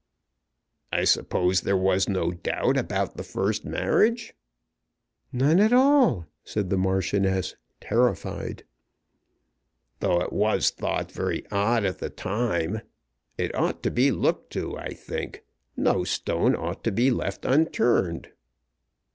"I suppose there was no doubt about the first marriage?" "None at all," said the Marchioness, terrified. "Though it was thought very odd at the time. It ought to be looked to, I think. No stone ought to be left unturned."